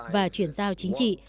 và chuyển giao chính trị